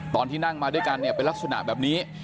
ตอนที่นั่งมาด้วยกันเนี่ยเป็นลักษณะแบบนี้